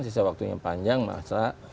sisa waktunya panjang masa